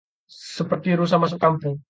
Seperti rusa masuk kampung